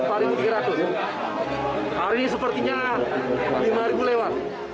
hari ini sepertinya lima lewat